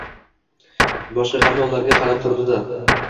…Boshqa hammollarga qarab turdi-da: